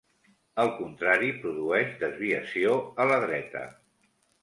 El contrari produeix desviació a la dreta.